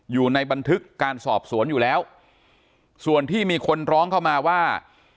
อยู่ในบันทึกการสอบสวนอยู่แล้วส่วนที่มีคนร้องเข้ามาว่า